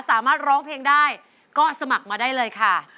ร้องเพลงได้ก็สมัครมาได้เลยค่ะ